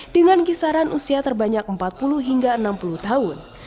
dengan kisaran usia terbanyak empat puluh hingga enam puluh tahun